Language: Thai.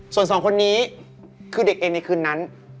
ส่วนสองคนนี้คือเด็กเองในคืนนั้น